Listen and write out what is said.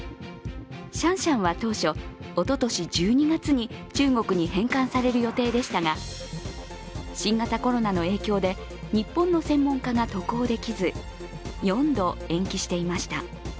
シャンシャンは当初、おととし１２月に中国に返還される予定でしたが新型コロナの影響で、日本の専門家が渡航できず、４度延期していました。